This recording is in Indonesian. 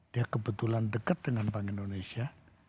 dia kebetulan dekat dengan bank indonesia